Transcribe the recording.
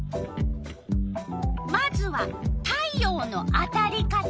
まずは「太陽のあたり方」。